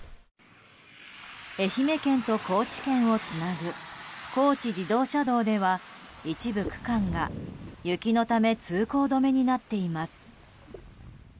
愛媛県と高知県をつなぐ高知自動車道では一部区間が、雪のため通行止めになっています。